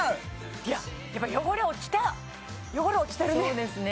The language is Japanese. いややっぱ汚れ落ちた汚れ落ちてるねそうですね